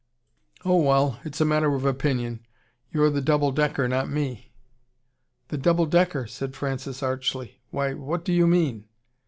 "Oh, well, it's a matter of opinion. You're the double decker, not me." "The double decker!" said Francis archly. "Why, what do you mean!